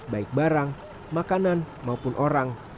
baik barang makanan maupun orang